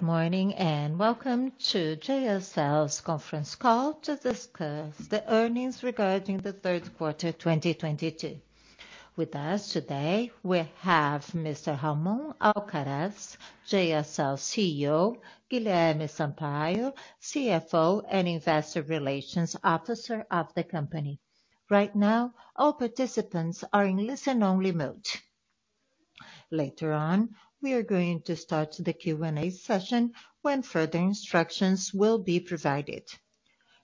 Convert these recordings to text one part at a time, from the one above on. Good morning and welcome to JSL's conference call to discuss the earnings regarding the third quarter 2022. With us today we have Mr. Ramon Alcaraz, JSL CEO, Guilherme Sampaio, CFO and Investor Relations Officer of the company. Right now, all participants are in listen only mode. Later on, we are going to start the Q&A session when further instructions will be provided.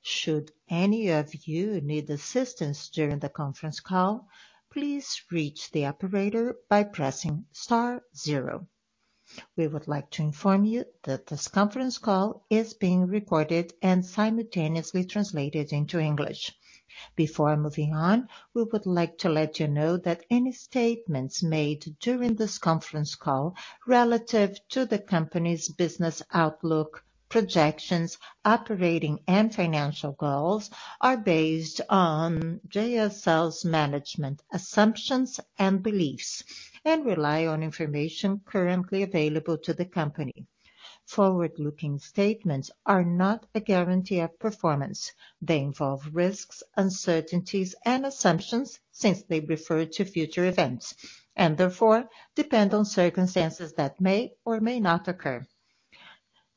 Should any of you need assistance during the conference call, please reach the operator by pressing star zero. We would like to inform you that this conference call is being recorded and simultaneously translated into English. Before moving on, we would like to let you know that any statements made during this conference call relative to the company's business outlook, projections, operating and financial goals are based on JSL's management assumptions and beliefs, and rely on information currently available to the company. Forward-looking statements are not a guarantee of performance. They involve risks, uncertainties and assumptions since they refer to future events, and therefore depend on circumstances that may or may not occur.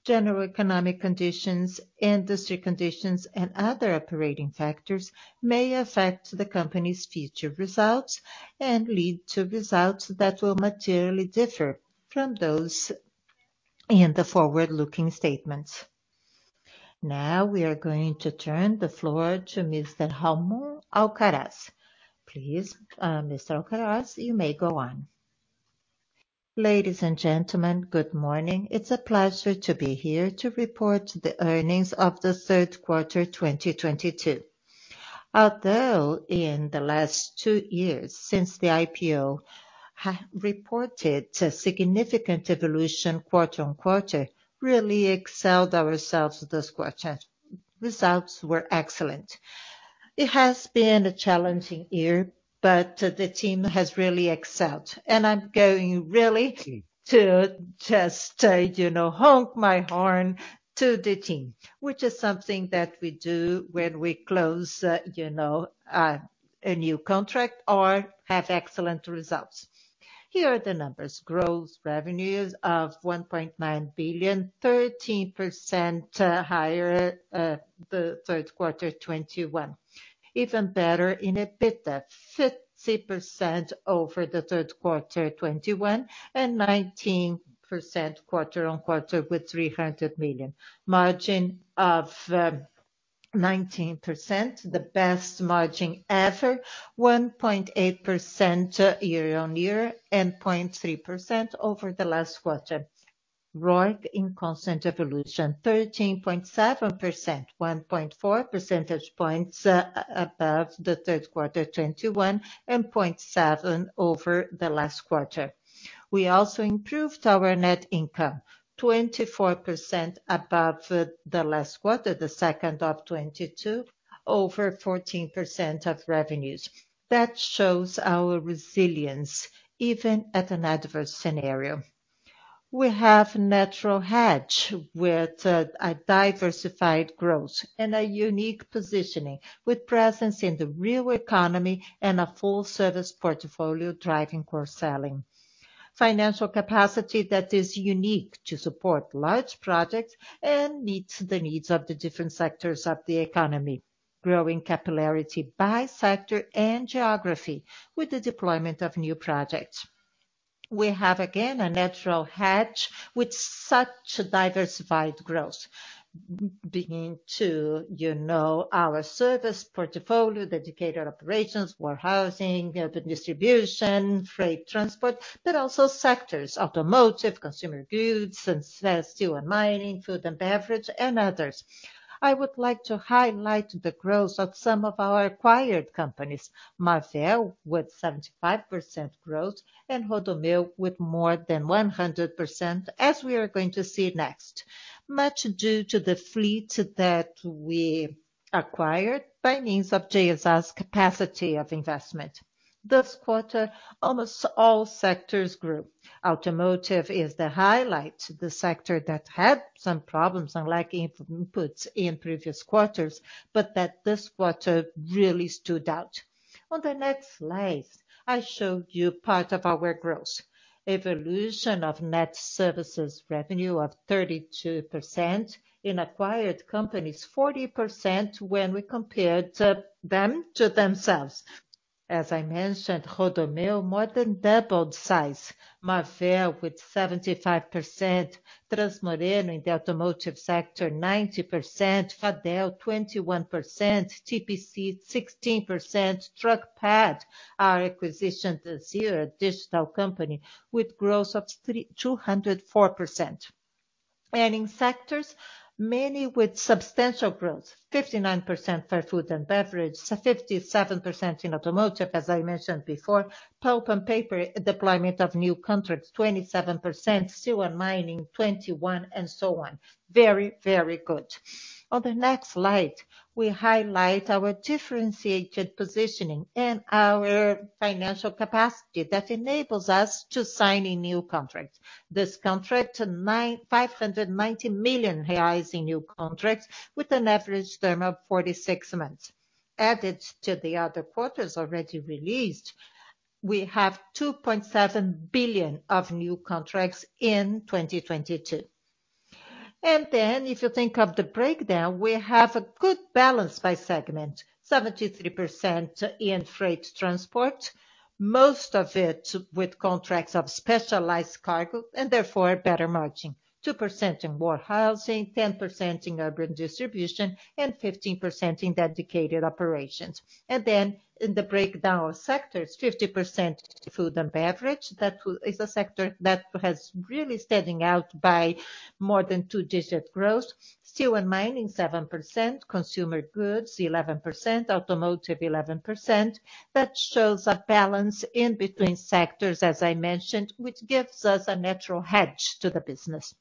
General economic conditions, industry conditions and other operating factors may affect the company's future results and lead to results that will materially differ from those in the forward-looking statements. Now we are going to turn the floor to Mr. Ramon Alcaraz. Please, Mr. Alcaraz, you may go on. Ladies and gentlemen, good morning. It's a pleasure to be here to report the earnings of the third quarter 2022. Although in the last two years since the IPO have reported a significant evolution quarter on quarter really excelled ourselves this quarter. Results were excellent. It has been a challenging year, but the team has really excelled. I'm going really to just, you know, honk my horn to the team, which is something that we do when we close, you know, a new contract or have excellent results. Here are the numbers. Gross revenues of 1.9 billion, 13% higher, the third quarter 2021. Even better in EBITDA, 50% over the third quarter 2021 and 19% quarter-on-quarter with 300 million. Margin of 19%, the best margin ever. 1.8% year-on-year and 0.3% over the last quarter. ROIC in constant evolution, 13.7%, 1.4 percentage points above the third quarter 2021, and 0.7 over the last quarter. We also improved our net income, 24% above the last quarter, the second of 2022, over 14% of revenues. That shows our resilience even at an adverse scenario. We have natural hedge with a diversified growth and a unique positioning with presence in the real economy and a full service portfolio driving cross-selling. Financial capacity that is unique to support large projects and meets the needs of the different sectors of the economy. Growing capillarity by sector and geography with the deployment of new projects. We have again a natural hedge with such diversified growth. Beginning with, you know, our service portfolio, dedicated operations, warehousing, urban distribution, freight transport, but also sectors, automotive, consumer goods and steel and mining, food and beverage and others. I would like to highlight the growth of some of our acquired companies, Marvel with 75% growth and Rodomil with more than 100%, as we are going to see next. Much due to the fleet that we acquired by means of JSL's capacity of investment. This quarter, almost all sectors grew. Automotive is the highlight, the sector that had some problems on lacking inputs in previous quarters, but that this quarter really stood out. On the next slide, I show you part of our growth. Evolution of net services revenue of 32%. In acquired companies, 40% when we compared them to themselves. As I mentioned, Rodomil more than doubled size. Marvel with 75%. Transmoreno in the automotive sector, 90%. Fadel, 21%. TPC, 16%. Truckpad, our acquisition this year, a digital company with growth of 204%. In sectors, many with substantial growth, 59% for food and beverage, 57% in automotive, as I mentioned before. Pulp and paper, deployment of new contracts, 27%. Steel and mining, 21 and so on. Very, very good. On the next slide, we highlight our differentiated positioning and our financial capacity that enables us to sign a new contract. This contract, 590 million reais in new contracts with an average term of 46 months. Added to the other quarters already released, we have 2.7 billion of new contracts in 2022. Then if you think of the breakdown, we have a good balance by segment. 73% in freight transport, most of it with contracts of specialized cargo and therefore better margin. 2% in warehousing, 10% in urban distribution, and 15% in dedicated operations. Then in the breakdown of sectors, 50% food and beverage. That is a sector that has really standing out by more than two-digit growth. Steel and mining, 7%. Consumer goods, 11%. Automotive, 11%. That shows a balance in between sectors, as I mentioned, which gives us a natural hedge to the business.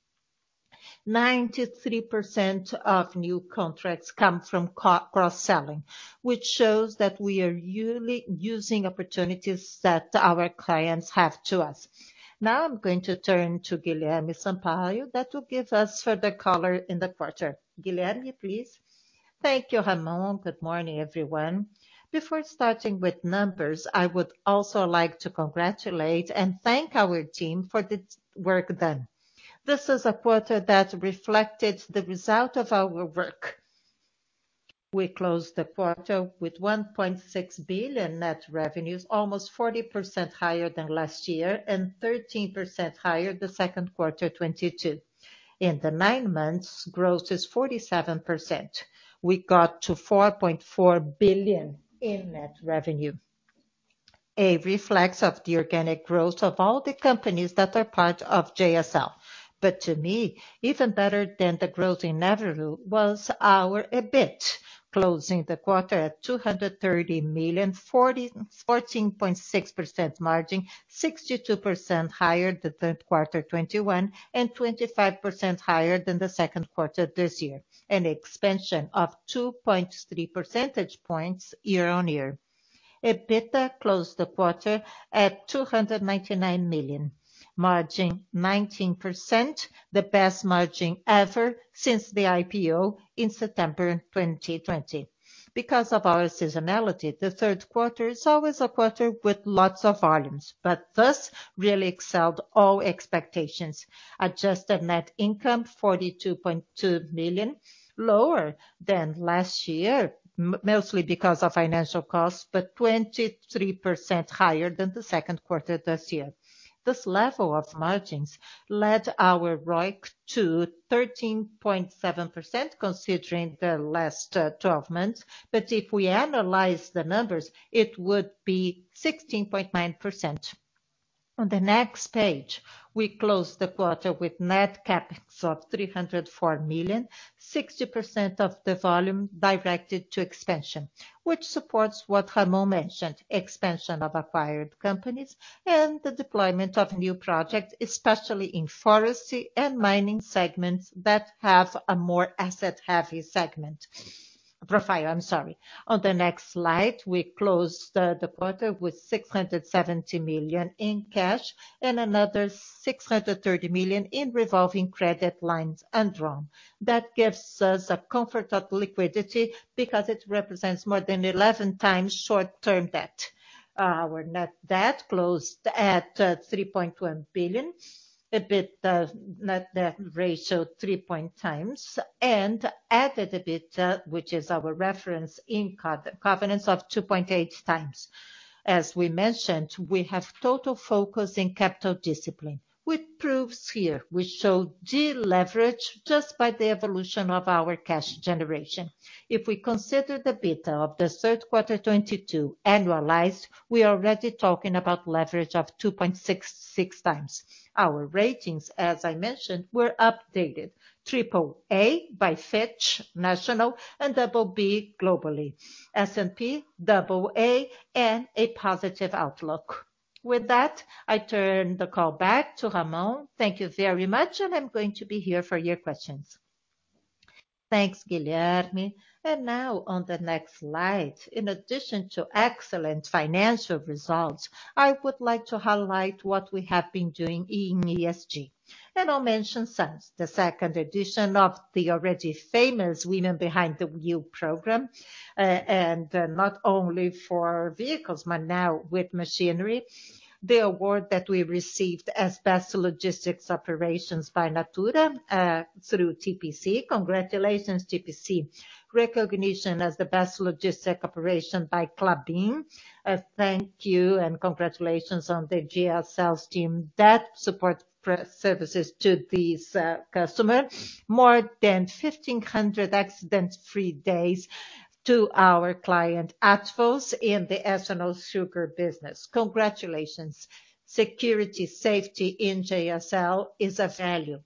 93% of new contracts come from cross-selling, which shows that we are using opportunities that our clients have to us. Now I'm going to turn to Guilherme Sampaio, that will give us further color in the quarter. Guilherme, please. Thank you, Ramon. Good morning, everyone. Before starting with numbers, I would also like to congratulate and thank our team for the work done. This is a quarter that reflected the result of our work. We closed the quarter with 1.6 billion net revenues, almost 40% higher than last year and 13% higher than the second quarter 2022. In the nine months, growth is 47%. We got to 4.4 billion in net revenue, reflects the organic growth of all the companies that are part of JSL. To me, even better than the growth in net revenue was our EBIT, closing the quarter at 230 million, 14.6% margin, 62% higher than third quarter 2021, and 25% higher than the second quarter this year. An expansion of 2.3 percentage points year-on-year. EBITDA closed the quarter at 299 million, margin 19%, the best margin ever since the IPO in September 2020. Because of our seasonality, the third quarter is always a quarter with lots of volumes, but this really excelled all expectations. Adjusted net income, 42.2 million, lower than last year, mostly because of financial costs, but 23% higher than the second quarter this year. This level of margins led our ROIC to 13.7% considering the last twelve months, but if we analyze the numbers, it would be 16.9%. On the next page, we closed the quarter with net CapEx of 304 million, 60% of the volume directed to expansion, which supports what Ramon mentioned, expansion of acquired companies and the deployment of new projects, especially in forestry and mining segments that have a more asset-heavy profile. On the next slide, we closed the quarter with 670 million in cash and another 630 million in revolving credit lines undrawn. That gives us a comfort of liquidity because it represents more than 11 times short-term debt. Our net debt closed at 3.1 billion. EBITDA net debt ratio 3.0x. Adjusted EBITDA, which is our reference in covenants of 2.8x. As we mentioned, we have total focus in capital discipline, which proves here we show deleverage just by the evolution of our cash generation. If we consider the EBITDA of the third quarter 2022 annualized, we are already talking about leverage of 2.66x. Our ratings, as I mentioned, were updated. AAA by Fitch National and BB globally. S&P AA and a positive outlook. With that, I turn the call back to Ramon. Thank you very much, and I'm going to be here for your questions. Thanks, Guilherme. Now on the next slide, in addition to excellent financial results, I would like to highlight what we have been doing in ESG. I'll mention since the second edition of the already famous Women Behind the Wheel program, and not only for vehicles, but now with machinery. The award that we received as best logistics operations by Natura &Co through TPC. Congratulations, TPC. Recognition as the best logistic operation by Klabin. Thank you and congratulations to the JSL's team that support services to these customer. More than 1,500 accident-free days to our client, Atvos, in the ethanol sugar business. Congratulations. Security safety in JSL is a value.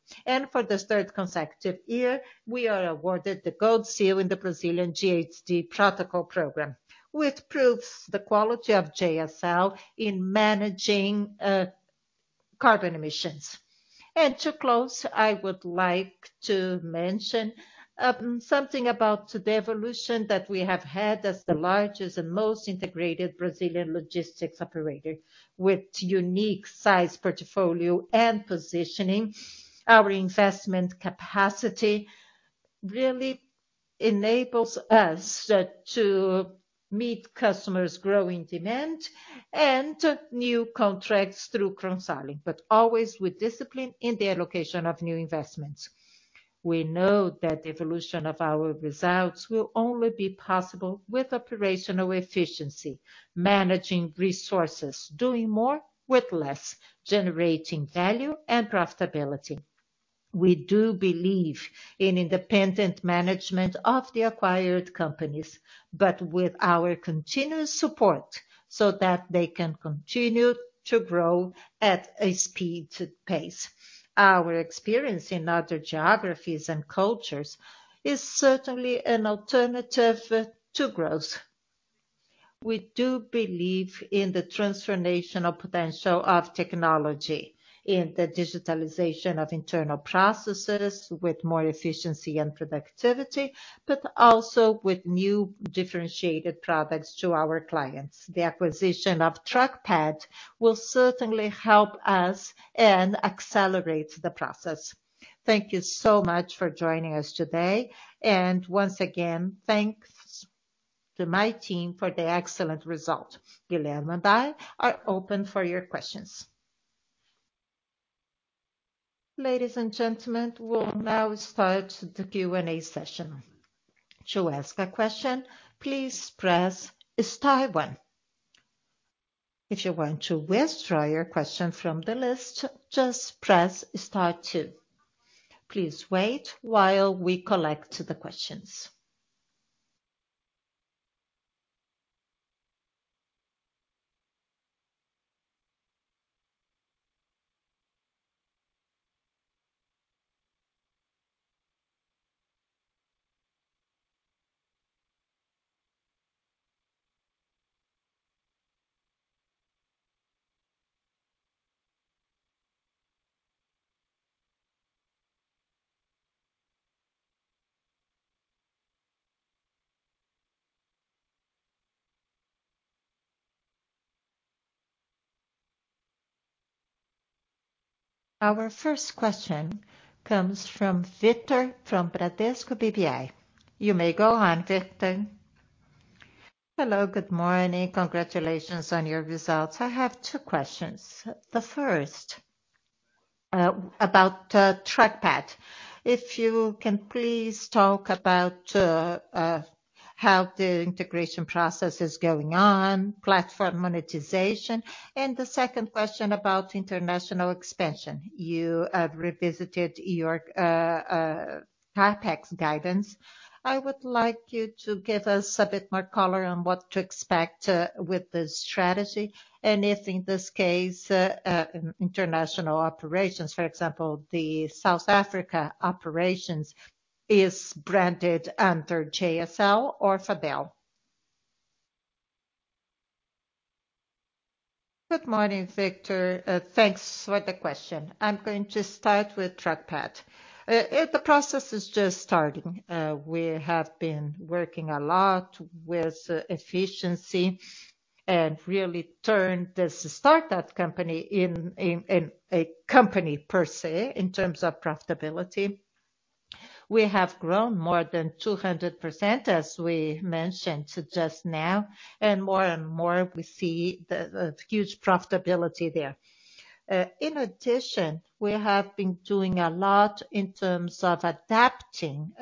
For this third consecutive year, we are awarded the Gold Seal in the Brazilian GHG Protocol program, which proves the quality of JSL in managing carbon emissions. To close, I would like to mention something about the evolution that we have had as the largest and most integrated Brazilian logistics operator. With unique size portfolio and positioning, our investment capacity really enables us to meet customers' growing demand and new contracts through cross-selling, but always with discipline in the allocation of new investments. We know that evolution of our results will only be possible with operational efficiency, managing resources, doing more with less, generating value and profitability. We do believe in independent management of the acquired companies, but with our continuous support so that they can continue to grow at a speedier pace. Our experience in other geographies and cultures is certainly an alternative to growth. We do believe in the transformational potential of technology, in the digitalization of internal processes with more efficiency and productivity, but also with new differentiated products to our clients. The acquisition of Truckpad will certainly help us and accelerate the process. Thank you so much for joining us today. Once again, thanks to my team for the excellent result. Guilherme and I are open for your questions. Ladies and gentlemen, we'll now start the Q&A session. To ask a question, please press star one. If you want to withdraw your question from the list, just press star two. Please wait while we collect the questions. Our first question comes from Victor from Bradesco BBI. You may go on, Victor. Hello. Good morning. Congratulations on your results. I have two questions. The first about Truckpad. If you can please talk about how the integration process is going on, platform monetization. The second question about international expansion. You have revisited your CapEx guidance. I would like you to give us a bit more color on what to expect with this strategy and if in this case international operations, for example, the South Africa operations is branded under JSL or Fadel. Good morning, Victor. Thanks for the question. I'm going to start with Truckpad. The process is just starting. We have been working a lot with efficiency and really turned this startup company into a company per se, in terms of profitability. We have grown more than 200%, as we mentioned just now, and more and more we see the huge profitability there. In addition, we have been doing a lot in terms of adapting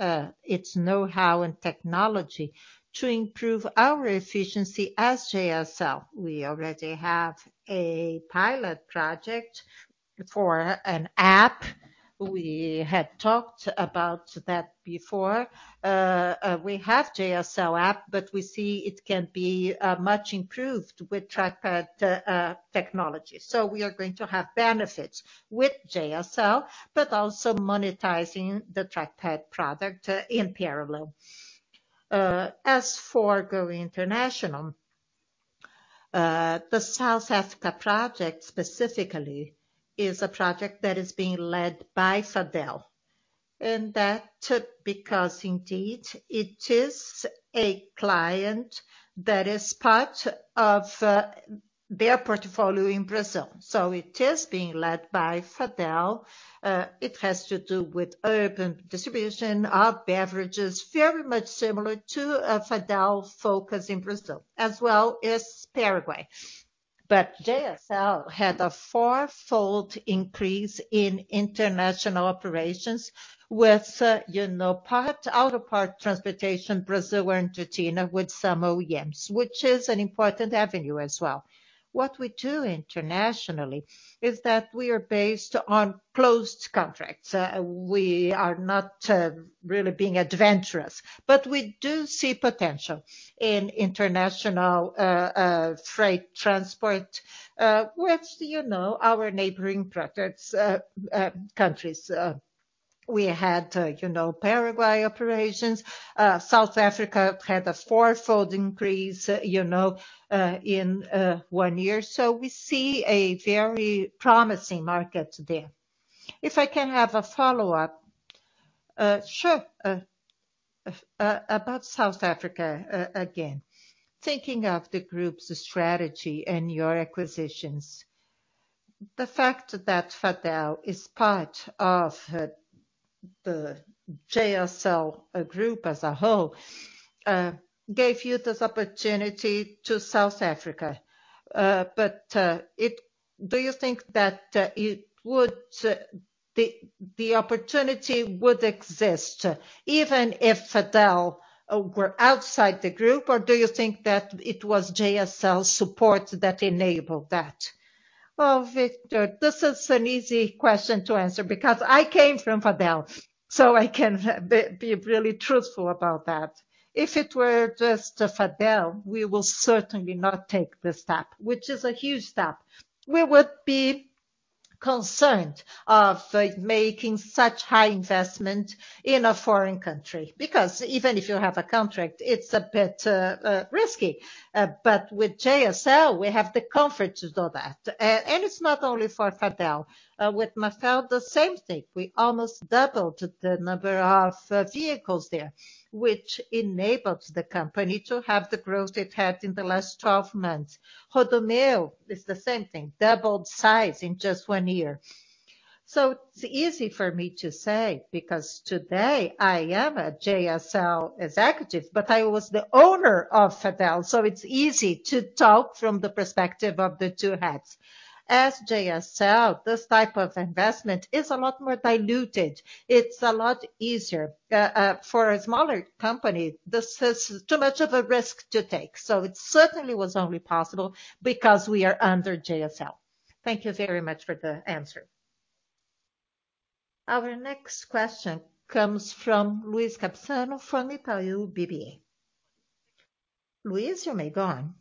its know-how and technology to improve our efficiency as JSL. We already have a pilot project for an app. We had talked about that before. We have JSL app, but we see it can be much improved with Truckpad technology. We are going to have benefits with JSL, but also monetizing the Truckpad product in parallel. As for going international, the South Africa project specifically is a project that is being led by Fadel, and that because indeed it is a client that is part of their portfolio in Brazil. It is being led by Fadel. It has to do with urban distribution of beverages, very much similar to a Fadel focus in Brazil as well as Paraguay. JSL had a four-fold increase in international operations with transportation Brazil and Argentina with some OEMs, which is an important avenue as well. What we do internationally is that we are based on closed contracts. We are not really being adventurous, but we do see potential in international freight transport with our neighboring countries. We had Paraguay operations. South Africa had a four-fold increase in one year. We see a very promising market there. If I can have a follow-up. Sure. About South Africa again, thinking of the group's strategy and your acquisitions. The fact that Fadel is part of the JSL group as a whole gave you this opportunity to South Africa. Do you think that the opportunity would exist even if Fadel were outside the group, or do you think that it was JSL's support that enabled that? Well, Victor, this is an easy question to answer because I came from Fadel, so I can be really truthful about that. If it were just Fadel, we will certainly not take this step, which is a huge step. We would be concerned of making such high investment in a foreign country, because even if you have a contract, it's a bit risky. With JSL, we have the comfort to do that. It's not only for Fadel. With Marvel, the same thing. We almost doubled the number of vehicles there, which enables the company to have the growth it had in the last 12 months. Rodomil is the same thing, doubled size in just one year. It's easy for me to say because today I am a JSL executive, but I was the owner of Fadel, so it's easy to talk from the perspective of the two hats. As JSL, this type of investment is a lot more diluted. It's a lot easier for a smaller company, this is too much of a risk to take. It certainly was only possible because we are under JSL. Thank you very much for the answer. Our next question comes from Luiz Capistrano from Itaú BBA. Luiz, you may go on.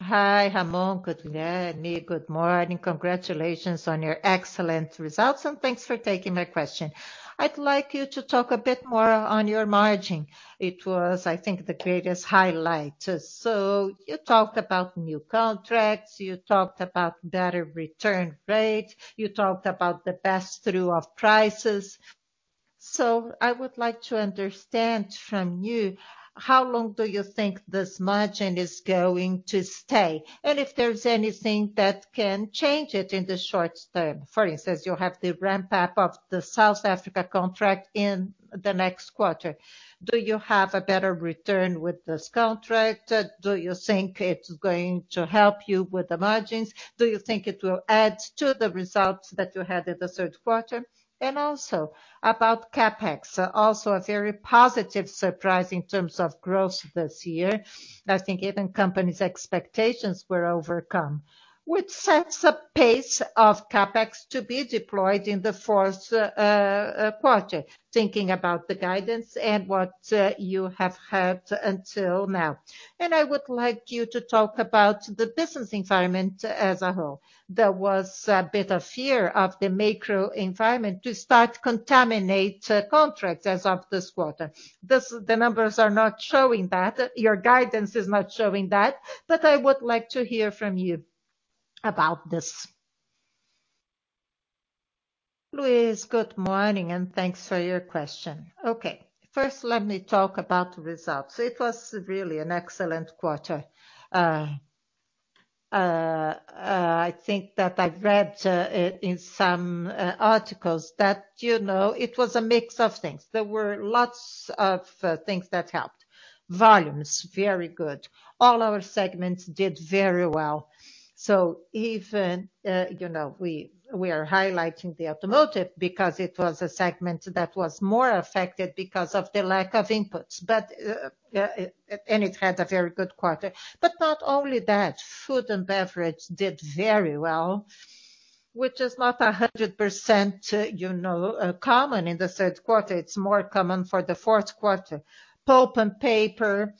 Hi, Ramon. Good evening. Good morning. Congratulations on your excellent results, and thanks for taking my question. I'd like you to talk a bit more on your margin. It was, I think, the greatest highlight. You talked about new contracts, you talked about better return rate, you talked about the pass-through of prices. I would like to understand from you, how long do you think this margin is going to stay, and if there's anything that can change it in the short term. For instance, you have the ramp-up of the South Africa contract in the next quarter. Do you have a better return with this contract? Do you think it's going to help you with the margins? Do you think it will add to the results that you had in the third quarter? And also about CapEx, also a very positive surprise in terms of growth this year. I think even company's expectations were overcome. Which sets a pace of CapEx to be deployed in the fourth quarter, thinking about the guidance and what you have had until now. I would like you to talk about the business environment as a whole. There was a bit of fear of the macro environment starting to contaminate contracts as of this quarter. The numbers are not showing that, your guidance is not showing that, but I would like to hear from you about this. Luiz, good morning, and thanks for your question. Okay, first let me talk about the results. It was really an excellent quarter. I think that I've read in some articles that, you know, it was a mix of things. There were lots of things that helped. Volumes, very good. All our segments did very well. So even, you know, we are highlighting the automotive because it was a segment that was more affected because of the lack of inputs. It had a very good quarter. Not only that, food and beverage did very well, which is not 100%, you know, common in the third quarter. It's more common for the fourth quarter. Pulp and paper.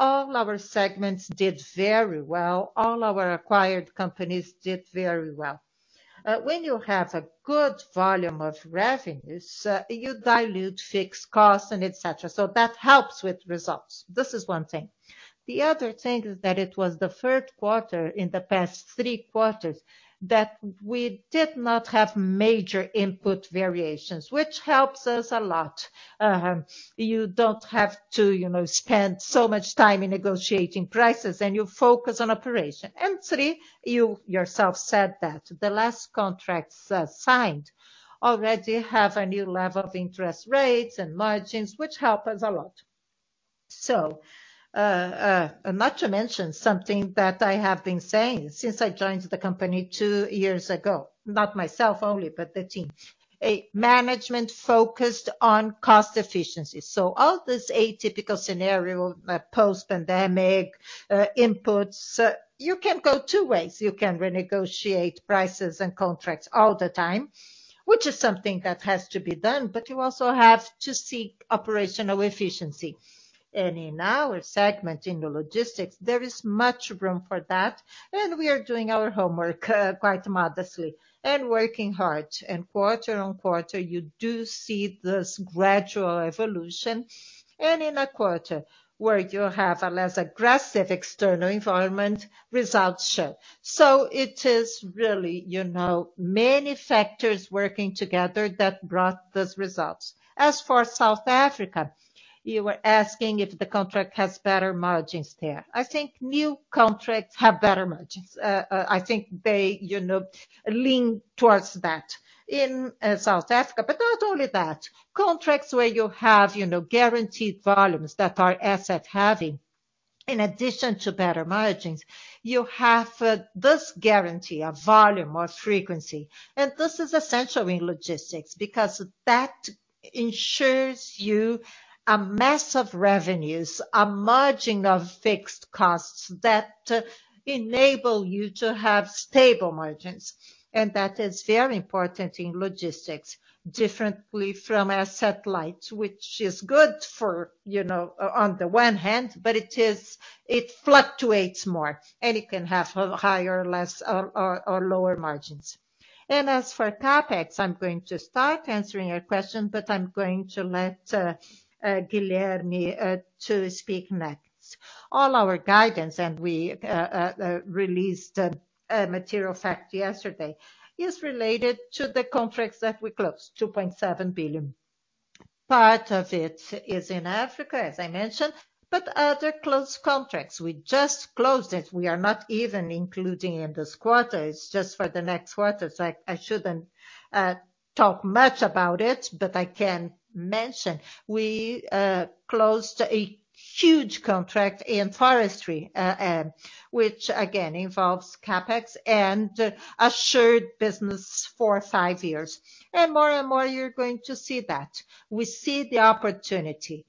All our segments did very well. All our acquired companies did very well. When you have a good volume of revenues, you dilute fixed costs and et cetera. That helps with results. This is one thing. The other thing is that it was the third quarter in the past three quarters that we did not have major input variations, which helps us a lot. You don't have to, you know, spend so much time in negotiating prices and you focus on operation. Three, you yourself said that the last contracts signed already have a new level of interest rates and margins, which help us a lot. Not to mention something that I have been saying since I joined the company two years ago, not myself only, but the team. A management focused on cost efficiency. All this atypical scenario, post-pandemic inputs, you can go two ways. You can renegotiate prices and contracts all the time, which is something that has to be done, but you also have to seek operational efficiency. In our segment, in the logistics, there is much room for that, and we are doing our homework quite modestly and working hard. Quarter-on-quarter, you do see this gradual evolution. In a quarter where you have a less aggressive external environment, results show. It is really, you know, many factors working together that brought those results. As for South Africa, you were asking if the contract has better margins there. I think new contracts have better margins. I think they, you know, lean towards that in South Africa. But not only that, contracts where you have, you know, guaranteed volumes that are asset-heavy, in addition to better margins, you have this guarantee of volume or frequency. This is essential in logistics because that ensures you a mass of revenues, a margin of fixed costs that enable you to have stable margins. That is very important in logistics differently from asset-light, which is good for, you know, on the one hand, but it fluctuates more and it can have higher, less or lower margins. As for CapEx, I'm going to start answering your question, but I'm going to let Guilherme to speak next. All our guidance, and we released a material fact yesterday, is related to the contracts that we closed, 2.7 billion. Part of it is in Africa, as I mentioned, but other closed contracts, we just closed it. We are not even including in this quarter. It's just for the next quarter. I shouldn't talk much about it, but I can mention we closed a huge contract in forestry, which again, involves CapEx and assured business for five years. More and more you're going to see that. We see the opportunity.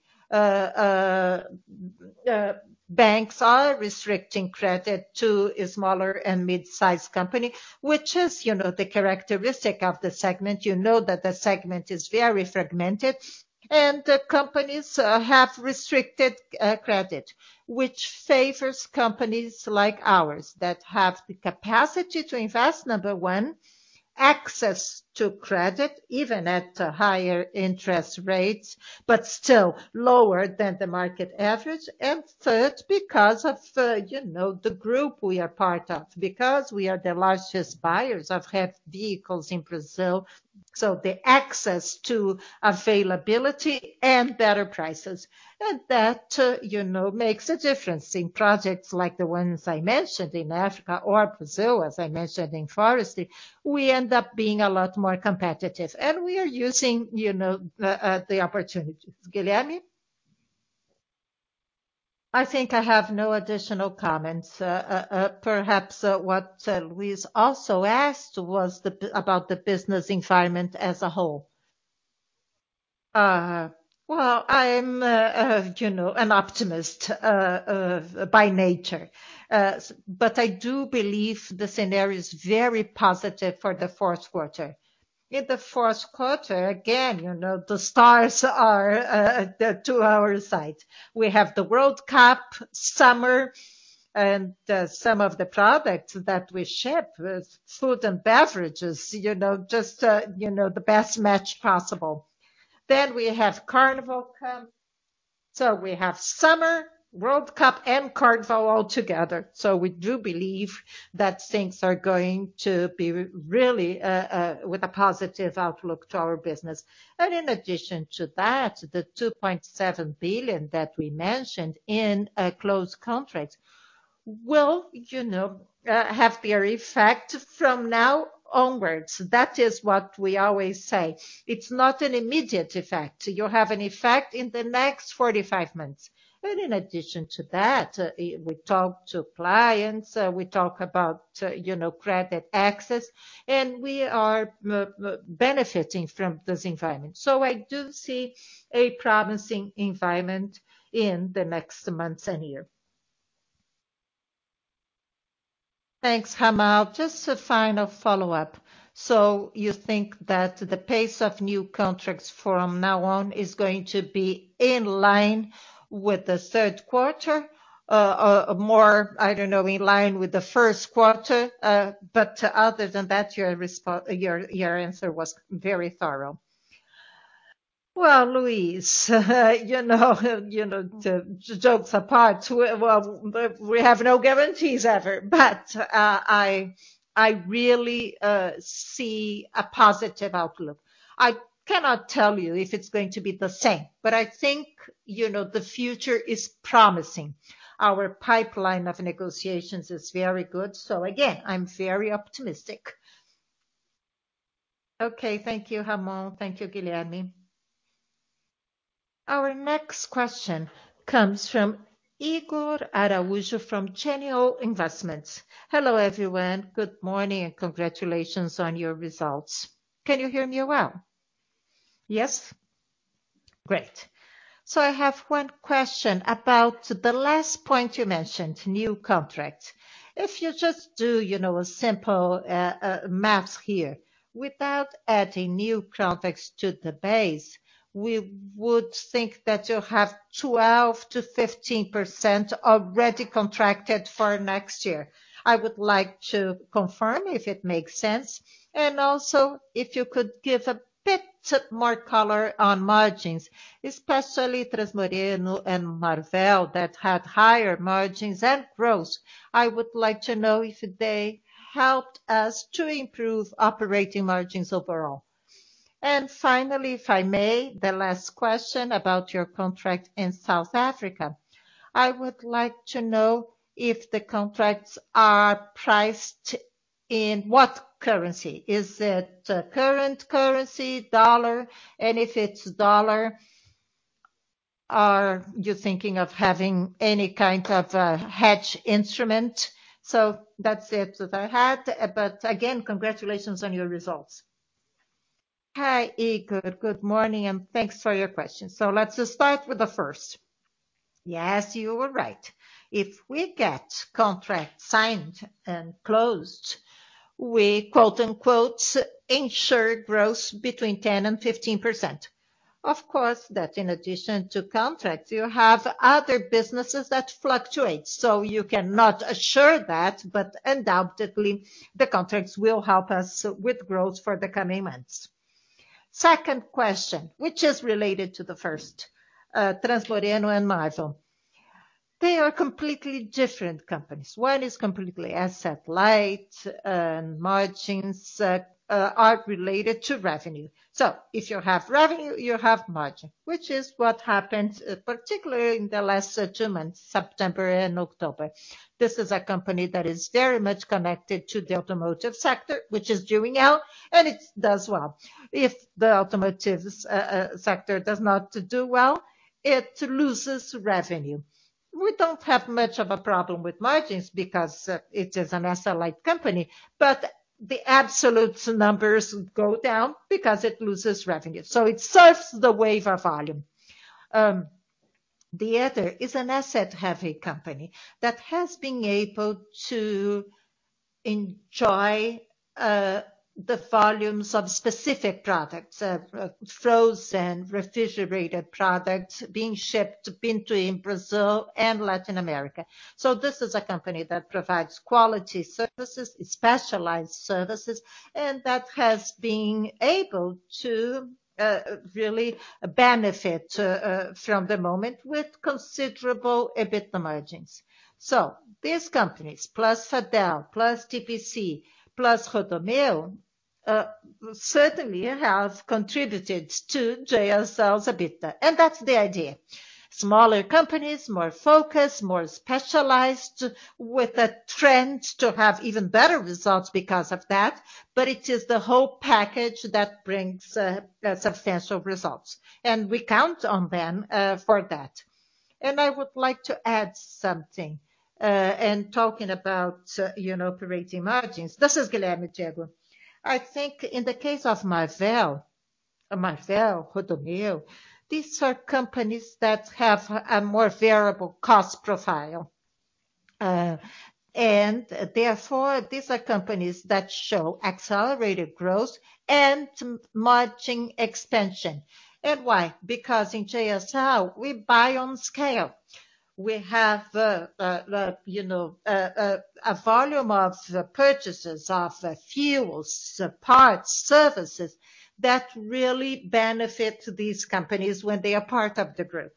Banks are restricting credit to smaller and mid-sized company, which is, you know, the characteristic of the segment. You know that the segment is very fragmented and the companies have restricted credit, which favors companies like ours that have the capacity to invest, number one, access to credit, even at higher interest rates, but still lower than the market average. Third, because of you know the group we are part of, because we are the largest buyers of heavy vehicles in Brazil, so the access to availability and better prices. That you know makes a difference in projects like the ones I mentioned in Africa or Brazil, as I mentioned in forestry, we end up being a lot more competitive, and we are using you know the the opportunities. Guilherme. I think I have no additional comments. Perhaps what Luiz also asked was about the business environment as a whole. Well, I'm, you know, an optimist by nature. I do believe the scenario is very positive for the fourth quarter. In the fourth quarter, again, you know, the stars are to our side. We have the World Cup, summer, and some of the products that we ship with food and beverages, you know, just, you know, the best match possible. We have Carnival come. We have summer, World Cup, and Carnival all together. We do believe that things are going to be really with a positive outlook to our business. In addition to that, the 2.7 billion that we mentioned in a closed contract will, you know, have their effect from now onwards. That is what we always say. It's not an immediate effect. You'll have an effect in the next 45 months. In addition to that, we talk to clients, we talk about, you know, credit access, and we are benefiting from this environment. I do see a promising environment in the next months and year. Thanks, Ramon. Just a final follow-up. You think that the pace of new contracts from now on is going to be in line with the third quarter? More, I don't know, in line with the first quarter? Other than that, your answer was very thorough. Well, Luiz, you know, joking apart, well, we have no guarantees ever. I really see a positive outlook. I cannot tell you if it's going to be the same. I think, you know, the future is promising. Our pipeline of negotiations is very good. So again, I'm very optimistic. Okay. Thank you, Ramon Alcaraz. Thank you, Guilherme Sampaio. Our next question comes from Ygor Bastos de Araujo from Genial Investimentos. Hello, everyone. Good morning, and congratulations on your results. Can you hear me well? Yes. Great. I have one question about the last point you mentioned, new contracts. If you just do, you know, a simple math here, without adding new contracts to the base, we would think that you have 12%-15% already contracted for next year. I would like to confirm if it makes sense, and also if you could give a bit more color on margins, especially Transmoreno and Marvel, that had higher margins and growth. I would like to know if they helped us to improve operating margins overall. Finally, if I may, the last question about your contract in South Africa. I would like to know if the contracts are priced in what currency? Is it current currency, dollar? And if it's dollar, are you thinking of having any kind of a hedge instrument? That's it that I had. But again, congratulations on your results. Hi, Ygor. Good morning, and thanks for your question. Let's just start with the first. Yes, you were right. If we get contract signed and closed, we, quote-unquote, ensure growth between 10% and 15%. Of course, that in addition to contracts, you have other businesses that fluctuate. You cannot assure that, but undoubtedly, the contracts will help us with growth for the coming months. Second question, which is related to the first, Transmoreno and Marvel. They are completely different companies. One is completely asset-light and margins are related to revenue. If you have revenue, you have margin, which is what happened, particularly in the last two months, September and October. This is a company that is very much connected to the automotive sector, which is doing well, and it does well. If the automotive sector does not do well, it loses revenue. We don't have much of a problem with margins because it is an asset-light company, but the absolute numbers go down because it loses revenue. It surfs the wave of volume. The other is an asset-heavy company that has been able to enjoy the volumes of specific products, frozen, refrigerated products being shipped between Brazil and Latin America. This is a company that provides quality services, specialized services, and that has been able to really benefit from the moment with considerable EBITDA margins. These companies, plus Fadel, plus TPC, plus Rodomeu, certainly have contributed to JSL's EBITDA, and that's the idea. Smaller companies, more focused, more specialized, with a trend to have even better results because of that, but it is the whole package that brings substantial results. We count on them for that. I would like to add something, and talking about, you know, operating margins. This is Guilherme Sampaio. I think in the case of Marvel, Rodomeu, these are companies that have a more variable cost profile. Therefore, these are companies that show accelerated growth and margin expansion. Why? Because in JSL, we buy on scale. We have, you know, a volume of purchases of fuels, parts, services that really benefit these companies when they are part of the group.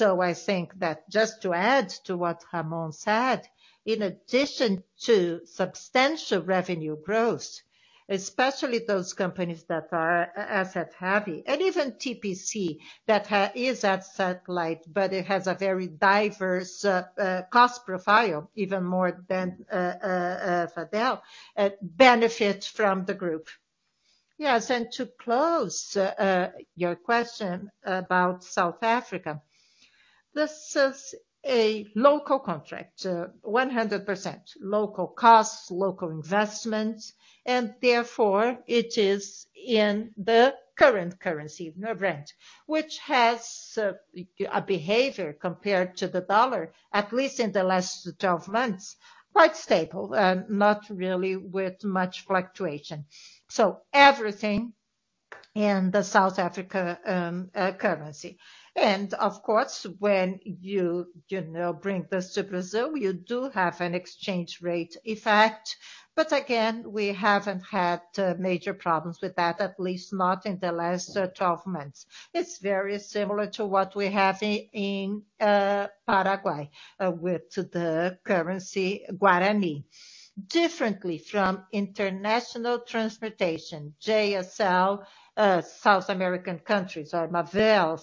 I think that just to add to what Ramon said, in addition to substantial revenue growth, especially those companies that are asset heavy, and even TPC that is asset light, but it has a very diverse cost profile, even more than Fadel, benefits from the group. Yes, and to close your question about South Africa, this is a local contract, 100% local costs, local investments, and therefore it is in the current currency, rand, which has a behavior compared to the dollar, at least in the last 12 months, quite stable and not really with much fluctuation. Everything in the South Africa currency. And of course, when you know, bring this to Brazil, you do have an exchange rate effect. Again, we haven't had major problems with that, at least not in the last twelve months. It's very similar to what we have in Paraguay with the currency Guarani. Differently from international transportation, JSL South American countries or Marvel,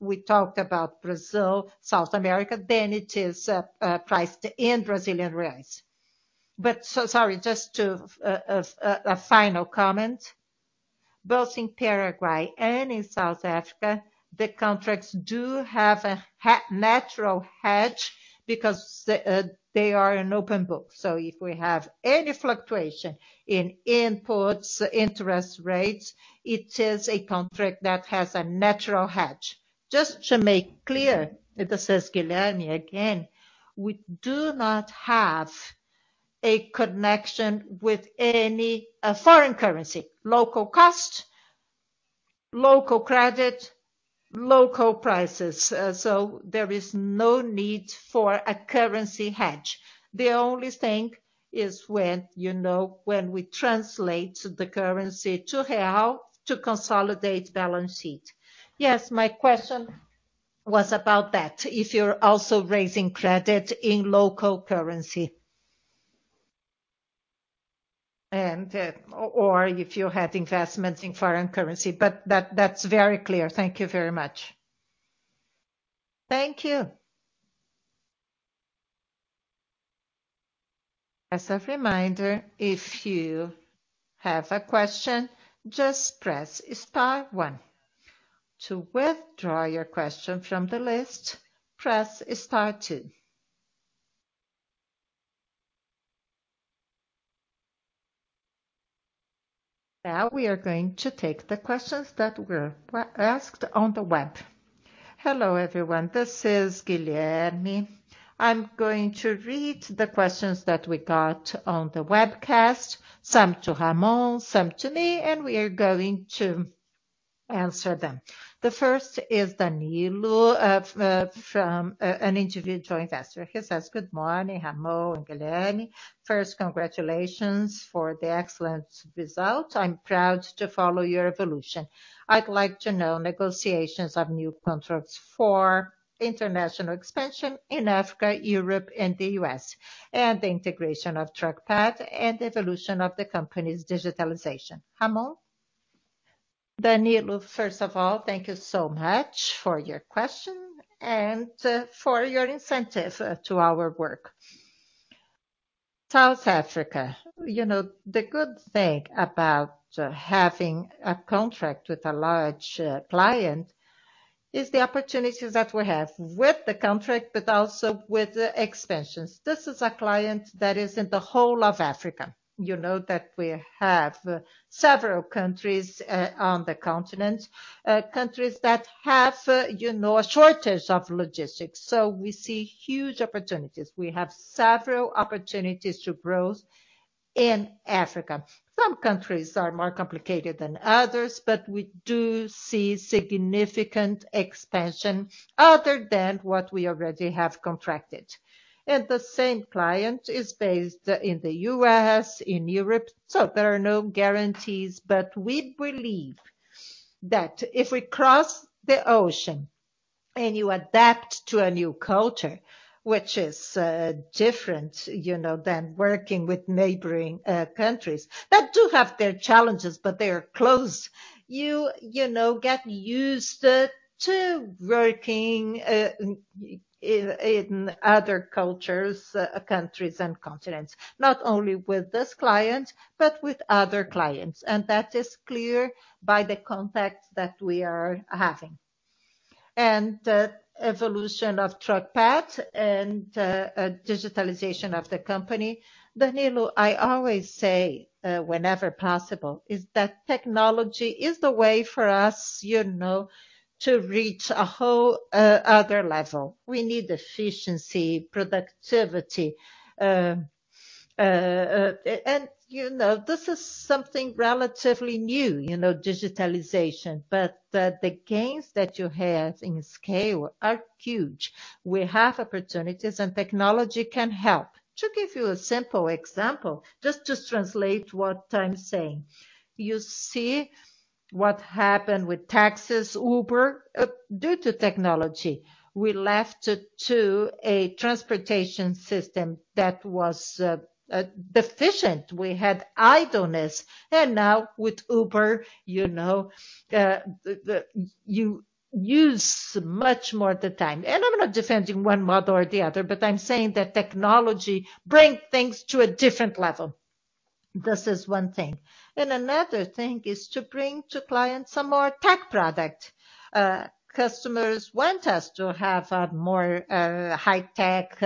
we talked about Brazil, South America, then it is priced in Brazilian reais. Sorry, just to a final comment. Both in Paraguay and in South Africa, the contracts do have a natural hedge because they are an open book. If we have any fluctuation in imports, interest rates, it is a contract that has a natural hedge. Just to make clear, this is Guilherme Sampaio again, we do not have a connection with any foreign currency. Local cost, local credit, local prices. There is no need for a currency hedge. The only thing is when, you know, when we translate the currency to real to consolidate balance sheet. Yes, my question was about that, if you're also raising credit in local currency. Or if you had investments in foreign currency. But that's very clear. Thank you very much. Thank you. As a reminder, if you have a question, just press star one. To withdraw your question from the list, press star two. Now we are going to take the questions that were asked on the web. Hello, everyone. This is Guilherme. I'm going to read the questions that we got on the webcast, some to Ramon, some to me, and we are going to answer them. The first is Danilo from an individual investor. He says, "Good morning, Ramon and Guilherme. First, congratulations for the excellent result. I'm proud to follow your evolution. I'd like to know negotiations of new contracts for international expansion in Africa, Europe and the U.S., and the integration of Truckpad and evolution of the company's digitalization. Ramon. Danilo, first of all, thank you so much for your question and for your incentive to our work. South Africa. You know, the good thing about having a contract with a large client is the opportunities that we have with the contract but also with the expansions. This is a client that is in the whole of Africa. You know that we have several countries on the continent, countries that have, you know, a shortage of logistics. So we see huge opportunities. We have several opportunities to grow in Africa. Some countries are more complicated than others, but we do see significant expansion other than what we already have contracted. The same client is based in the U.S., in Europe. There are no guarantees, but we believe that if we cross the ocean and you adapt to a new culture, which is different, you know, than working with neighboring countries that do have their challenges, but they are close. You know, get used to working in other cultures, countries and continents, not only with this client, but with other clients. That is clear by the contracts that we are having. The evolution of Truckpad and digitalization of the company. Danilo, I always say, whenever possible, is that technology is the way for us, you know, to reach a whole other level. We need efficiency, productivity, and, you know, this is something relatively new, you know, digitalization, but the gains that you have in scale are huge. We have opportunities and technology can help. To give you a simple example, just to translate what I'm saying. You see what happened with taxis, Uber, due to technology. We left to a transportation system that was deficient. We had idleness. Now with Uber, you know, you use much more the time. I'm not defending one model or the other, but I'm saying that technology bring things to a different level. This is one thing. Another thing is to bring to clients some more tech product. Customers want us to have a more high-tech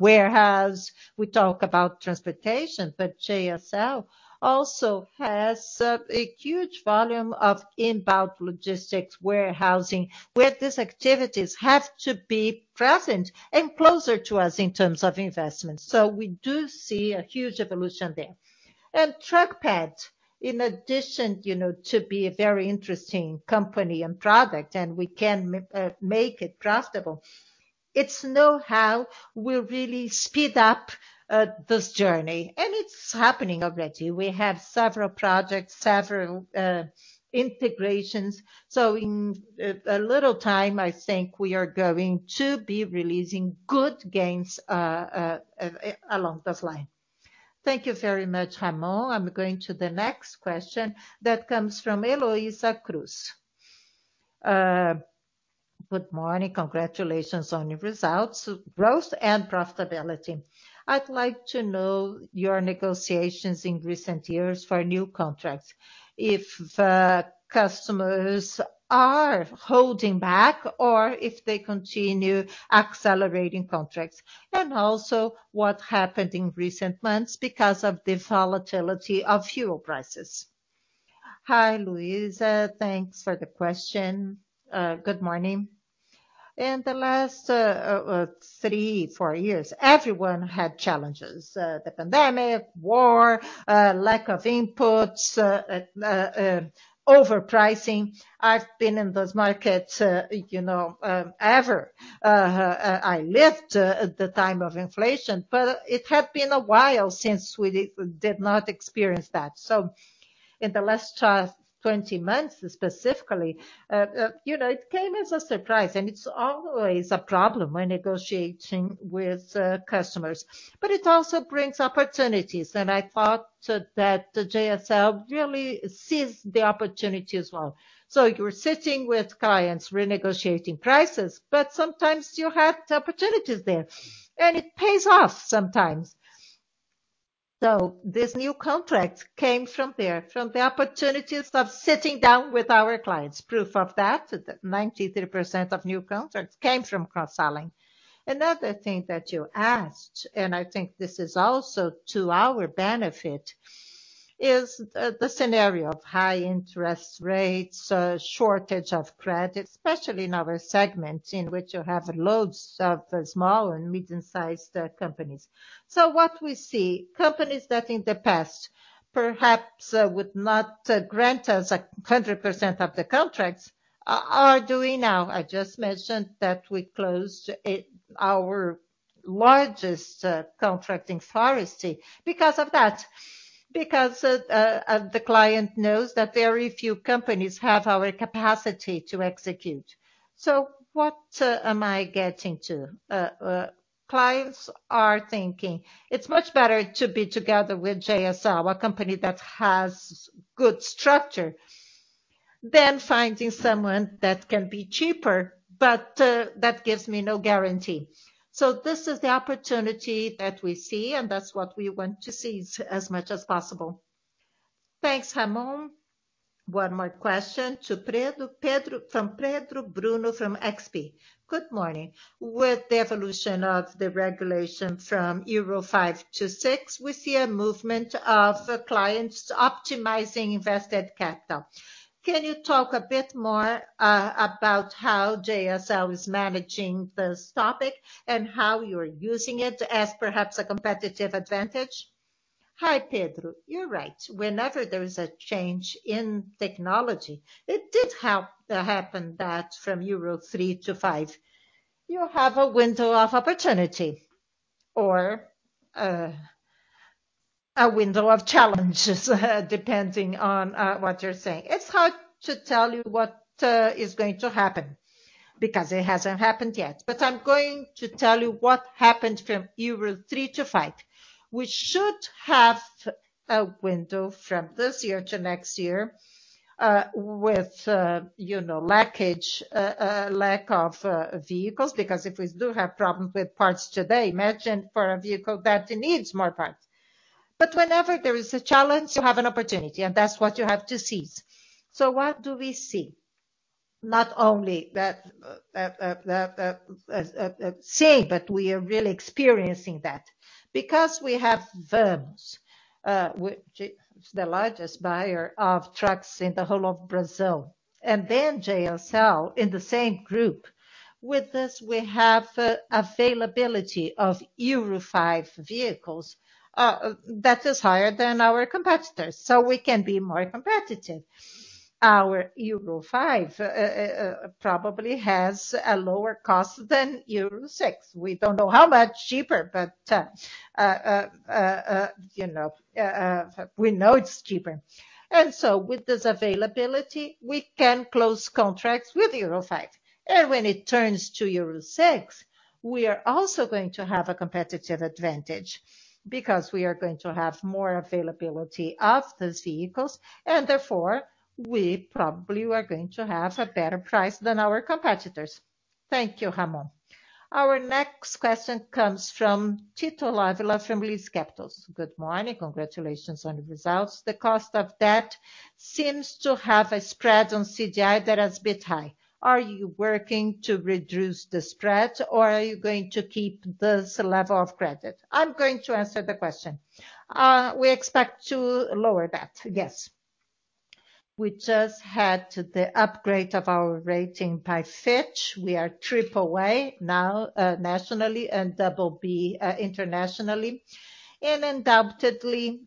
warehouse. We talk about transportation, but JSL also has a huge volume of inbound logistics warehousing, where these activities have to be present and closer to us in terms of investment. We do see a huge evolution there. Truckpad, in addition, to be a very interesting company and product, and we can make it profitable. Its know-how will really speed up this journey, and it's happening already. We have several projects, integrations. In a little time, I think we are going to be releasing good gains along this line. Thank you very much, Ramon. I'm going to the next question that comes from Eloísa Cruz. Good morning. Congratulations on your results, growth and profitability. I'd like to know your negotiations in recent years for new contracts. If customers are holding back or if they continue accelerating contracts? What happened in recent months because of the volatility of fuel prices. Hi, Eloísa. Thanks for the question. Good morning. In the last three, four years, everyone had challenges, the pandemic, war, lack of inputs, overpricing. I've been in those markets, you know, ever. I lived at the time of inflation, but it had been a while since we did not experience that. In the last 20 months specifically, you know, it came as a surprise, and it's always a problem when negotiating with customers. It also brings opportunities, and I thought that the JSL really seized the opportunity as well. You're sitting with clients renegotiating prices, but sometimes you have opportunities there, and it pays off sometimes. This new contract came from there, from the opportunities of sitting down with our clients. Proof of that, 93% of new contracts came from cross-selling. Another thing that you asked, and I think this is also to our benefit, is the scenario of high interest rates, shortage of credit, especially in our segment in which you have loads of small and medium-sized companies. What we see, companies that in the past perhaps would not grant us 100% of the contracts are doing now. I just mentioned that we closed our largest contract in forestry because of that. Because the client knows that very few companies have our capacity to execute. What am I getting to? Clients are thinking it's much better to be together with JSL, a company that has good structure, than finding someone that can be cheaper but that gives me no guarantee. So this is the opportunity that we see, and that's what we want to seize as much as possible. Thanks, Ramon. One more question to Pedro. Pedro Bruno from XP. Good morning. With the evolution of the regulation from Euro 5 to Euro 6, we see a movement of clients optimizing invested capital. Can you talk a bit more about how JSL is managing this topic and how you're using it as perhaps a competitive advantage? Hi, Pedro. You're right. Whenever there's a change in technology, it did happen that from Euro 3 to Euro 5, you have a window of opportunity or a window of challenges, depending on what you're saying. It's hard to tell you what is going to happen because it hasn't happened yet. I'm going to tell you what happened from Euro 3 to Euro 5, which should have a window from this year to next year with lack of vehicles, because if we do have problems with parts today, imagine for a vehicle that needs more parts. Whenever there is a challenge, you have an opportunity, and that's what you have to seize. What do we see? Not only that, but we are really experiencing that. Because we have Vamos, which is the largest buyer of trucks in the whole of Brazil, and then JSL in the same group. With this, we have availability of Euro 5 vehicles that is higher than our competitors, so we can be more competitive. Our Euro 5 probably has a lower cost than Euro 6. We don't know how much cheaper, but you know, we know it's cheaper. With this availability, we can close contracts with Euro 5. When it turns to Euro 6, we are also going to have a competitive advantage because we are going to have more availability of these vehicles and therefore we probably are going to have a better price than our competitors. Thank you, Ramon Alcaraz. Our next question comes from Tito Ávila from Lis Capital. Good morning. Congratulations on the results. The cost of debt seems to have a spread on CDI that is a bit high. Are you working to reduce the spread or are you going to keep this level of credit? I'm going to answer the question. We expect to lower that. Yes. We just had the upgrade of our rating by Fitch. We are AAA now, nationally and BB, internationally. Undoubtedly,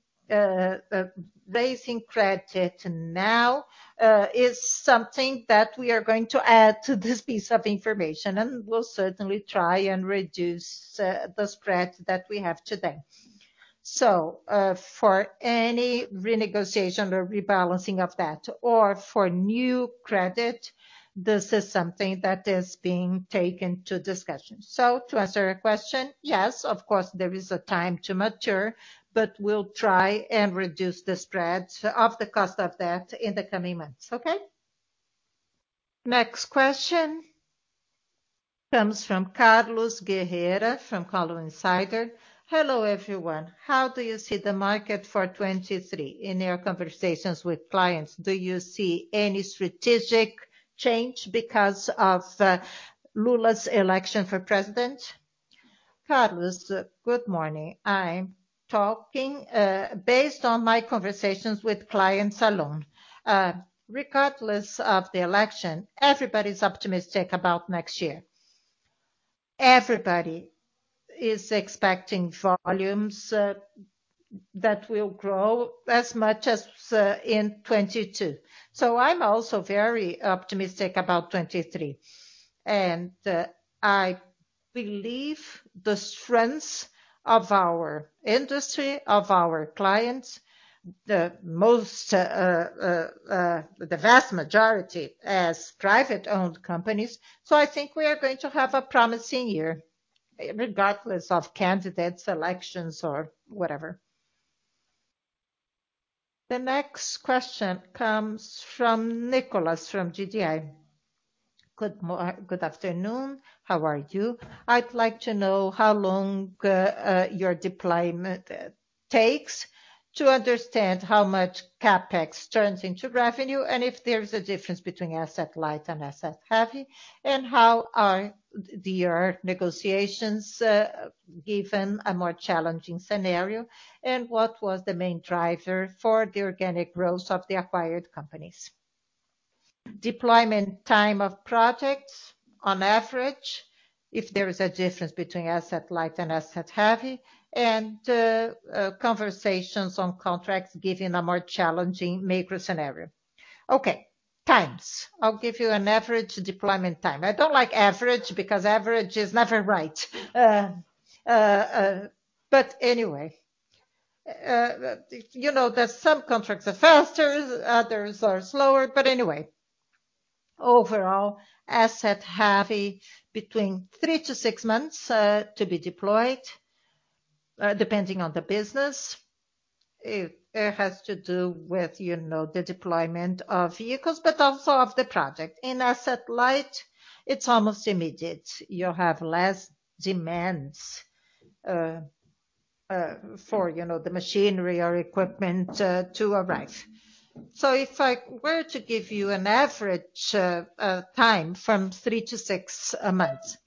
raising credit now is something that we are going to add to this piece of information, and we'll certainly try and reduce the spread that we have today. For any renegotiation or rebalancing of that or for new credit, this is something that is being taken to discussion. To answer your question, yes, of course, there is a time to mature, but we'll try and reduce the spread of the cost of that in the coming months. Okay. Next question comes from Carlos Guerra from Colin Snyder. [inaudible] Hello, everyone. How do you see the market for 2023 in your conversations with clients? Do you see any strategic change because of Lula's election for president? Carlos, good morning. I'm talking based on my conversations with clients alone. Regardless of the election, everybody's optimistic about next year. Everybody is expecting volumes that will grow as much as in 2022. I'm also very optimistic about 2023. We believe the strengths of our industry, of our clients, the most, the vast majority as privately owned companies. I think we are going to have a promising year regardless of candidates, elections or whatever. The next question comes from Nicolas from GDI. Good afternoon. How are you? I'd like to know how long your deployment takes to understand how much CapEx turns into revenue, and if there's a difference between asset-light and asset-heavy. How are your negotiations given a more challenging scenario? What was the main driver for the organic growth of the acquired companies? Deployment time of projects on average, if there is a difference between asset-light and asset-heavy, and conversations on contracts given a more challenging macro scenario. Okay. I'll give you an average deployment time. I don't like average because average is never right. But anyway. You know that some contracts are faster, others are slower. But anyway, overall, asset-heavy between three to six months to be deployed, depending on the business. It has to do with, you know, the deployment of vehicles, but also of the project. In asset-light, it's almost immediate. You have less demands for, you know, the machinery or equipment to arrive. So if I were to give you an average time from three to six months.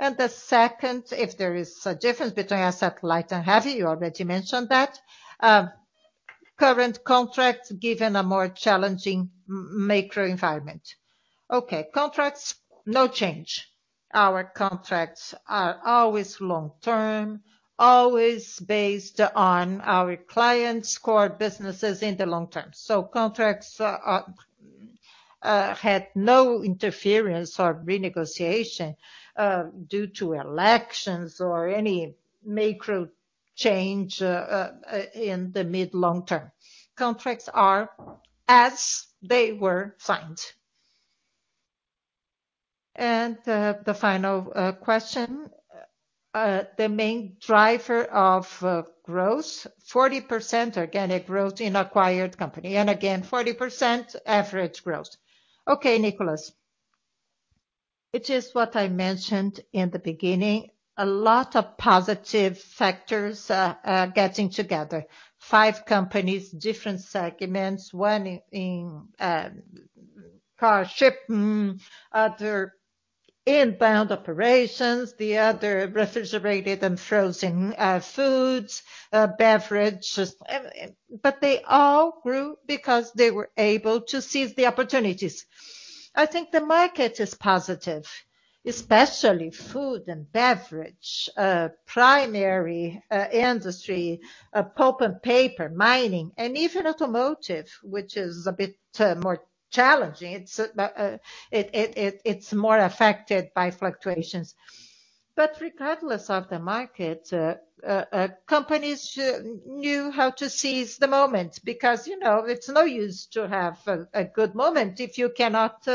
The second, if there is a difference between asset-light and heavy, you already mentioned that. Current contracts given a more challenging macro environment. Okay. Contracts, no change. Our contracts are always long-term, always based on our clients' core businesses in the long term. So contracts had no interference or renegotiation due to elections or any macro change in the mid long term. Contracts are as they were signed. The final question. The main driver of growth, 40% organic growth in acquired company. Again, 40% average growth. Okay, Nicolas. It is what I mentioned in the beginning. A lot of positive factors getting together. Five companies, different segments. One in car shipping, other inbound operations, the other refrigerated and frozen foods, beverages. They all grew because they were able to seize the opportunities. I think the market is positive, especially food and beverage, primary industry, pulp and paper, mining and even automotive, which is a bit more challenging. It's more affected by fluctuations. Regardless of the market, companies knew how to seize the moment because, you know, it's no use to have a good moment if you cannot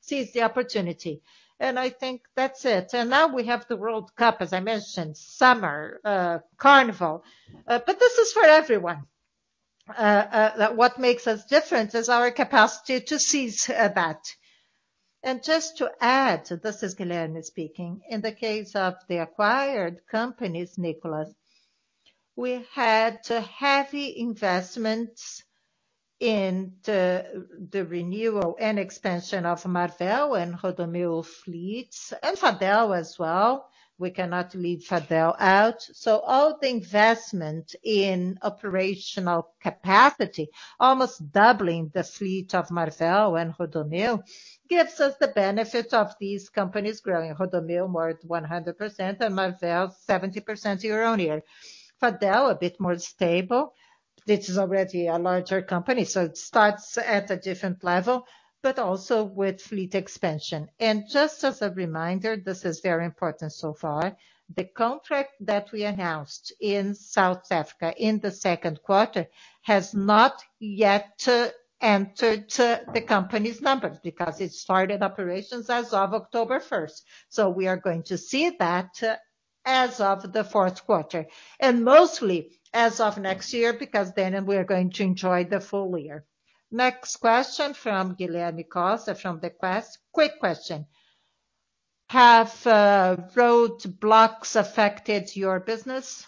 seize the opportunity. I think that's it. Now we have the World Cup, as I mentioned, summer, carnival. Th is is for everyone. What makes us different is our capacity to seize that. Just to add, this is Guilherme speaking. In the case of the acquired companies, Nicolas, we had heavy investments in the renewal and expansion of Marvel and Rodomil fleets and Fadel as well. We cannot leave Fadel out. All the investment in operational capacity, almost doubling the fleet of Marvel and Rodomil, gives us the benefit of these companies growing. Rodomil more than 100% and Marvel 70% year-on-year. Fadel a bit more stable. This is already a larger company, so it starts at a different level, but also with fleet expansion. Just as a reminder, this is very important so far. The contract that we announced in South Africa in the second quarter has not yet entered the company's numbers because it started operations as of October 1. We are going to see that as of the fourth quarter and mostly as of next year, because then we are going to enjoy the full year. Next question from Guilherme Costa from The Quest. Quick question. Have roadblocks affected your business?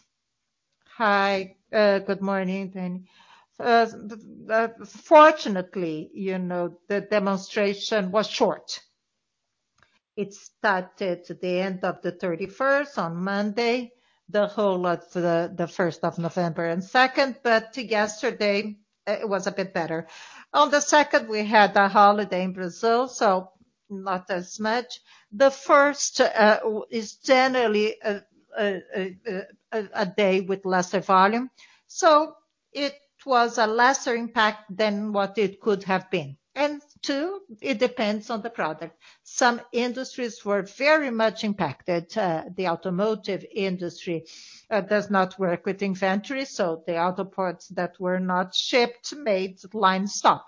Hi, good morning, Danny. Fortunately, you know, the demonstration was short. It started the end of the thirty-first on Monday, the whole of the first of November and second, but yesterday it was a bit better. On the second, we had a holiday in Brazil, so not as much. The first is generally a day with lesser volume. It was a lesser impact than what it could have been. Two, it depends on the product. Some industries were very much impacted. The automotive industry does not work with inventory, so the auto parts that were not shipped made line stop.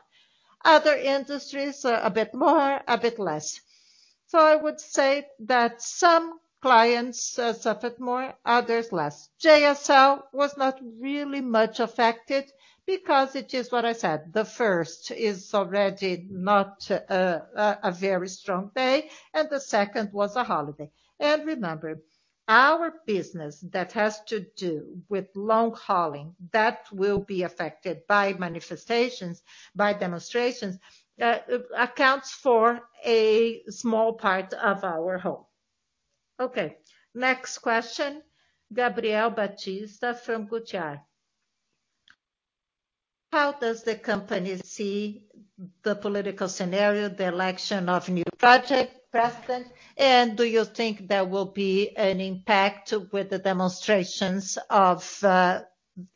Other industries a bit more, a bit less. I would say that some clients suffered more, others less. JSL was not really much affected because it is what I said. The first is already not a very strong day, and the second was a holiday. Remember, our business that has to do with long hauling, that will be affected by manifestations, by demonstrations, accounts for a small part of our whole. Okay, next question, Gabriel Batista from Gutiara. "How does the company see the political scenario, the election of the newly elected president, and do you think there will be an impact with the demonstrations on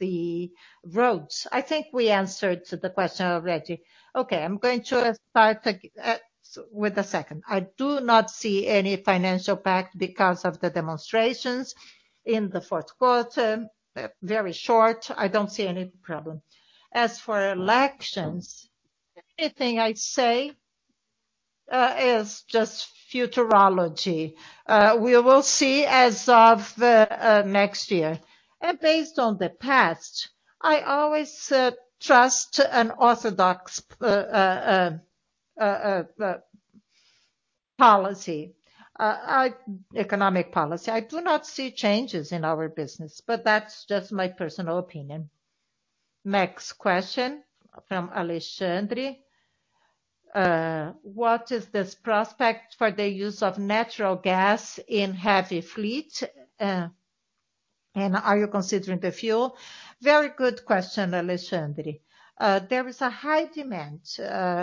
the roads?" I think we answered the question already. Okay, I'm going to start with the second. I do not see any financial impact because of the demonstrations in the fourth quarter. Very short, I don't see any problem. As for elections, anything I say is just futurology. We will see as of next year. Based on the past, I always trust an orthodox economic policy. I do not see changes in our business, but that's just my personal opinion. Next question from Alexandre. "What is this prospect for the use of natural gas in heavy fleet, and are you considering the fuel?" Very good question, Alexandre. There is a high demand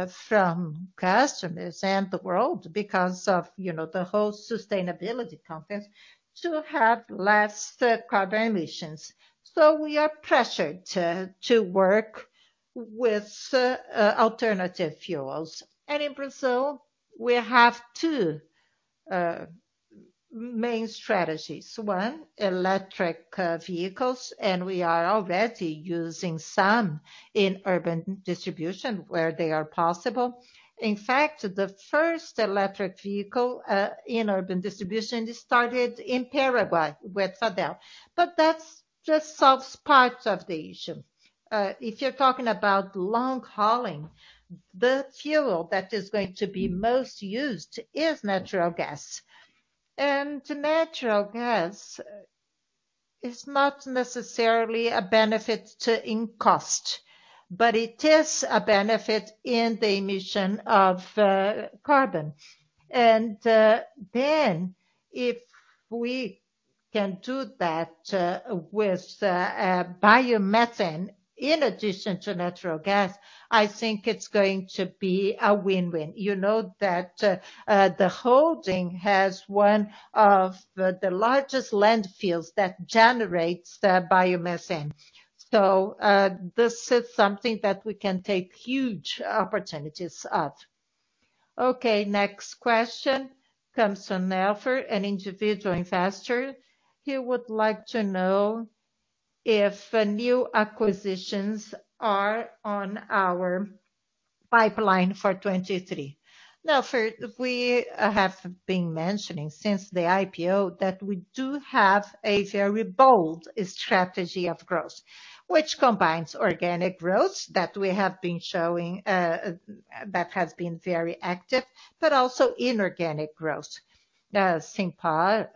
from customers and the world because of, you know, the whole sustainability conference to have less carbon emissions. We are pressured to work with alternative fuels. In Brazil, we have two main strategies. One, electric vehicles, and we are already using some in urban distribution where they are possible. In fact, the first electric vehicle in urban distribution started in Paraguay with Fadel. But that's just solves part of the issue. If you're talking about long hauling, the fuel that is going to be most used is natural gas. Natural gas is not necessarily a benefit to in cost, but it is a benefit in the emission of carbon. Then if we can do that with biomethane in addition to natural gas, I think it's going to be a win-win. You know that the holding has one of the largest landfills that generates the biomethane. So this is something that we can take huge opportunities of. Okay.Next question comes from Alfred, an individual investor. He would like to know if new acquisitions are on our pipeline for 2023. Now, Fred, we have been mentioning since the IPO that we do have a very bold strategy of growth, which combines organic growth that we have been showing that has been very active, but also inorganic growth. Simpar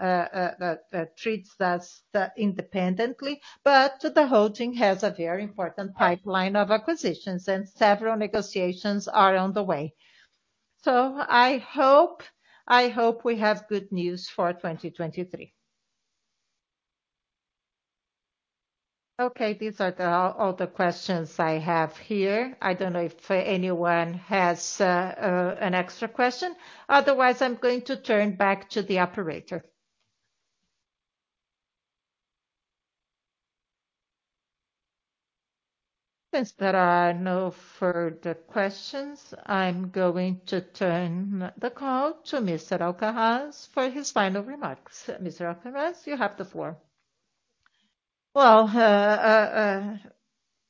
treats us independently, but the holding has a very important pipeline of acquisitions and several negotiations are on the way. I hope we have good news for 2023. Okay, these are all the questions I have here. I don't know if anyone has an extra question. Otherwise, I'm going to turn back to the operator. Since there are no further questions, I'm going to turn the call to Mr. Alcaraz for his final remarks. Mr. Ramon Alcaraz, you have the floor. Well,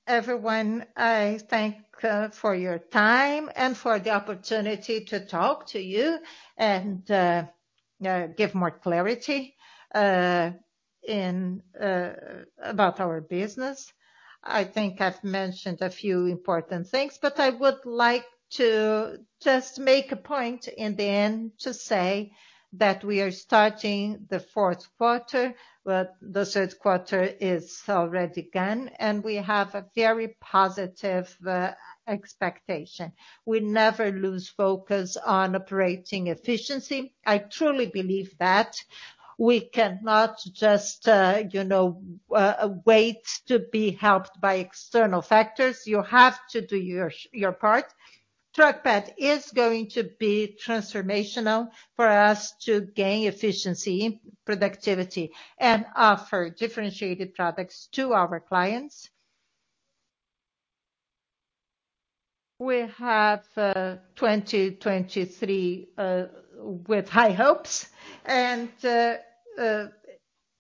everyone, I thank you for your time and for the opportunity to talk to you and give more clarity about our business. I think I've mentioned a few important things, but I would like to just make a point in the end to say that we are starting the fourth quarter, but the third quarter is already gone and we have a very positive expectation. We never lose focus on operating efficiency. I truly believe that. We cannot just, you know, wait to be helped by external factors. You have to do your part. Truckpad is going to be transformational for us to gain efficiency, productivity, and offer differentiated products to our clients. We have 2023 with high hopes.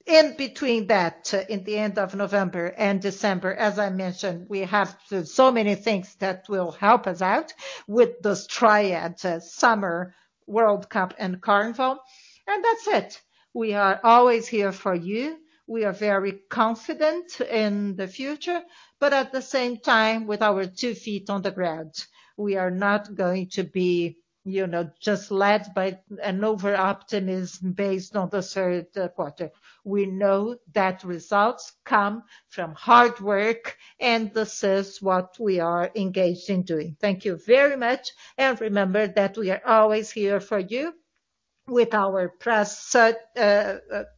In between that, in the end of November and December, as I mentioned, we have to do so many things that will help us out with this triad, summer, World Cup, and Carnival. That's it. We are always here for you. We are very confident in the future, but at the same time, with our two feet on the ground, we are not going to be, you know, just led by an over-optimism based on the third quarter. We know that results come from hard work, and this is what we are engaged in doing. Thank you very much, and remember that we are always here for you with our press,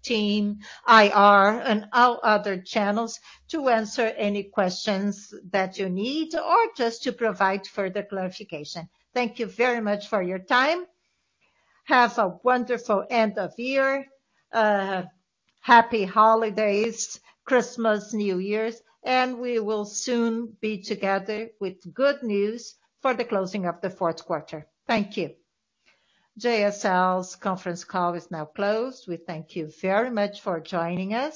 team, IR, and our other channels to answer any questions that you need or just to provide further clarification. Thank you very much for your time. Have a wonderful end of year. Happy holidays, Christmas, New Year's, and we will soon be together with good news for the closing of the fourth quarter. Thank you. JSL's conference call is now closed. We thank you very much for joining us.